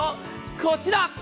こちら！